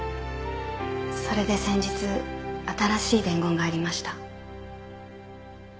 それで先日新しい伝言がありました。